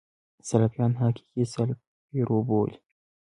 سلفیان حقیقي سلف پیرو بولي.